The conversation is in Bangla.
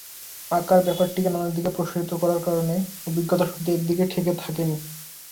আঁকার ব্যাপারটিকে নানা দিকে প্রসারিত করার কারণে অভিজ্ঞতা শুধু একদিকে ঠেকে থাকেনি।